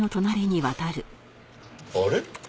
あれ？